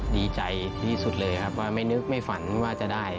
ดีใจที่สุดเลยครับว่าไม่นึกไม่ฝันว่าจะได้